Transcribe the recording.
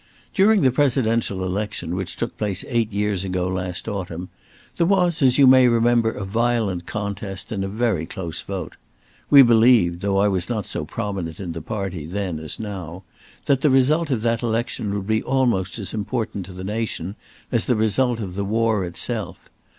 During the Presidential election which took place eight years ago last autumn, there was, as you may remember, a violent contest and a very close vote. We believed (though I was not so prominent in the party then as now), that the result of that election would be almost as important to the nation as the result of the war itself.